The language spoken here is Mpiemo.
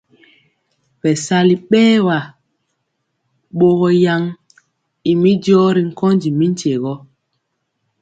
Bɛsali bɛɛr wa bogɔ yan ymi jɔɔ ri nkondi mi tyegɔ.